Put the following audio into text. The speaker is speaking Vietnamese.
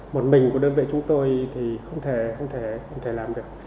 một mình của đơn vị chúng tôi thì không thể không thể không thể làm được